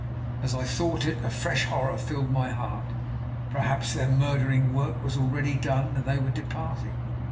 As I thought it, a fresh horror filled my heart; perhaps their murdering work was already done and they were departing.